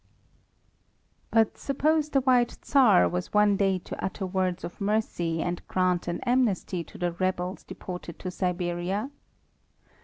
But suppose the White Tsar were one day to utter words of mercy and grant an amnesty to the rebels deported to Siberia?